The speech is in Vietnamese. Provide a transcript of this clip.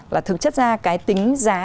là thực chất ra cái tính giá